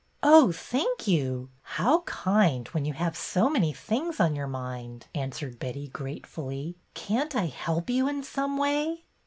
'' Oh, thank you ! How kind, when you have so many things on your mind," answered Betty, gratefully. Can't I help you in some way?"